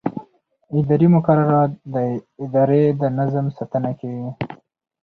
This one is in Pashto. اداري مقررات د ادارې د نظم ساتنه کوي.